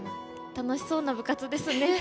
楽しそうな部活ですね。